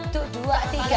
tuh dua tiga